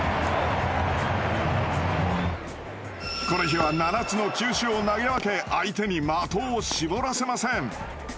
この日は７つの球種を投げ分け相手に的を絞らせません。